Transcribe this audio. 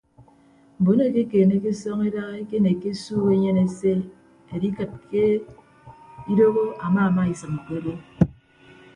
Mbon eekekanna esọñeda ekenekke esuuk enyen ese edikịd ke idooho amaamaisịm ke odo.